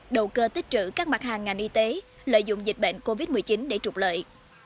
đầu cơ tích trữ các mặt hàng ngành y tế lợi dụng dịch bệnh covid một mươi chín để trục lợi